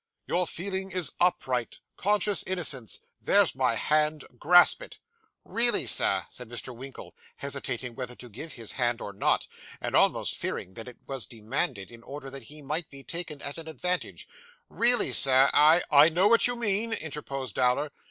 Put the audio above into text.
Your feeling is upright. Conscious innocence. There's my hand. Grasp it.' 'Really, Sir,' said Mr. Winkle, hesitating whether to give his hand or not, and almost fearing that it was demanded in order that he might be taken at an advantage, 'really, Sir, I ' 'I know what you mean,' interposed Dowler.